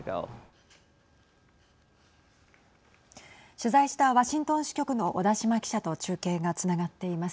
取材したワシントン支局の小田島記者と中継がつながっています。